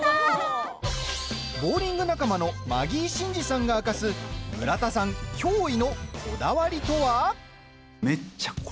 ボウリング仲間のマギー審司さんが明かす村田さん、驚異のこだわりとは？